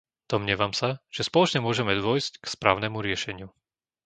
Domnievam sa, že spoločne môžeme dôjsť k správnemu riešeniu.